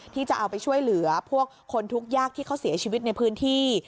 ที่จะเอาไปช่วยเหลือพวกคนทุกข์ยากที่เขาเสียชีวิตในพื้นที่